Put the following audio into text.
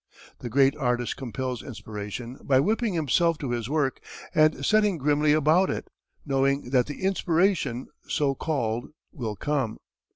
The great artist compels inspiration by whipping himself to his work and setting grimly about it, knowing that the "inspiration," so called, will come.